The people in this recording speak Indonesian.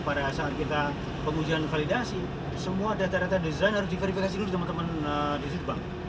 pada saat kita pengujian validasi semua data data desain harus diverifikasi dulu sama teman teman dislitbank